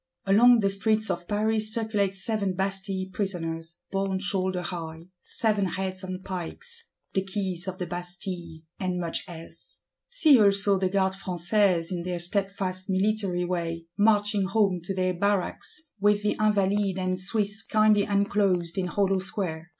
Along the streets of Paris circulate Seven Bastille Prisoners, borne shoulder high: seven Heads on pikes; the Keys of the Bastille; and much else. See also the Garde Françaises, in their steadfast military way, marching home to their barracks, with the Invalides and Swiss kindly enclosed in hollow square.